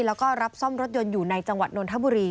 แล้วก็รับซ่อมรถยนต์อยู่ในจังหวัดนนทบุรี